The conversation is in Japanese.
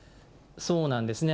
そうなんですね。